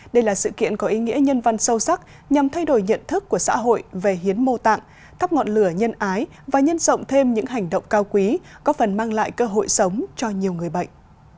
đây là sự kiện có ý nghĩa nhân văn sâu sắc nhằm thay đổi nhận thức của xã hội về hiến mô tạng thắp ngọn lửa nhân ái và nhân rộng thêm những hành động cao quý có phần mang lại cơ hội sống cho nhiều người bệnh